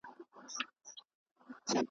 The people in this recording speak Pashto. چا نارې وهلې چا ورته ژړله .